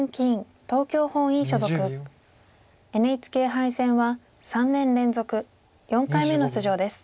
ＮＨＫ杯戦は３年連続４回目の出場です。